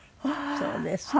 そうですか。